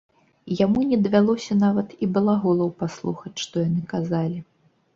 Яму не давялося нават і балаголаў паслухаць, што яны казалі.